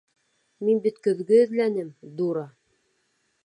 Мин бит көҙгө эҙләнем, дура!